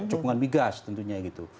cekungan migas tentunya gitu